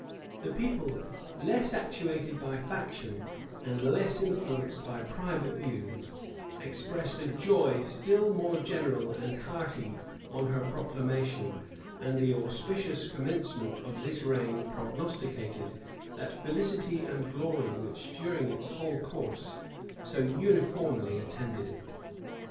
The people, less actuated by faction, and less influenced by private views, expressed a joy still more general and hearty on her proclamation; and the auspicious commencement of this reign prognosticated that felicity and glory which, during its whole course, so uniformly attended it.